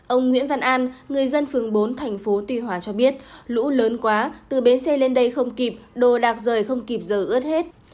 ông nguyễn văn an người dân phường bốn thành phố tuy hòa cho biết lũ lớn quá từ bến xe lên đây không kịp đồ đạc rời không kịp giờ ướt hết